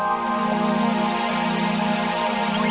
tidak ada apa apa